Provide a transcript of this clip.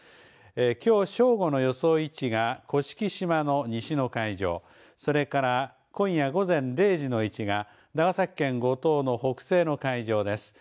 きょう正午の予想位置が甑島の西の海上、それから今夜午前０時の位置が長崎県五島の北西の海上です。